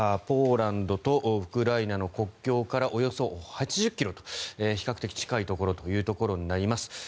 ポーランドとウクライナの国境からおよそ８０ｋｍと比較的近いところになります。